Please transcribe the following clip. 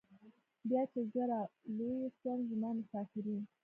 بيا چې زه رالوى سوم زما مسافرۍ.